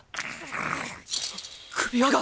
首輪が！